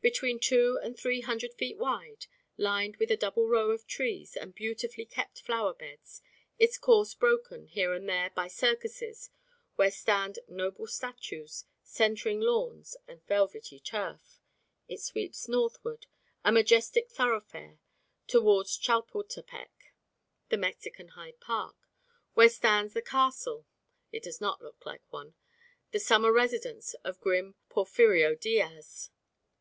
Between two and three hundred feet wide, lined with a double row of trees and beautifully kept flower beds, its course broken, here and there, by circuses where stand noble statues centring lawns of velvety turf, it sweeps northward, a majestic thoroughfare, towards Chapultepec the Mexican Hyde Park where stands the Castle (it does not look like one), the summer residence of grim Porfirio Diaz.